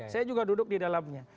saya juga duduk di dalamnya